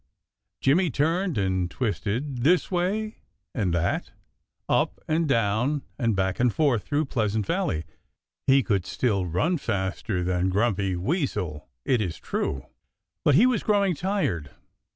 Jimmy turned and twisted this way and that, up and down and back and forth through Pleasant Valley. He could still run faster than Grumpy Weasel, it is true. But he was growing tired.